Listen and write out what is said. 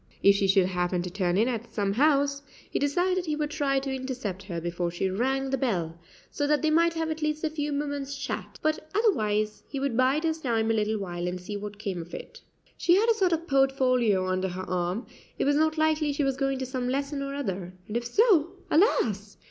If she should happen to turn in at some house, he decided he would try to intercept her before she rang the bell, so that they might have at least a few moments' chat, but otherwise he would bide his time a little while and see what came of it. She had a sort of portfolio under her arm; it was not unlikely she was going to some lesson or other, and if so, alas!